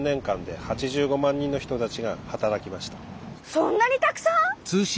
そんなにたくさん？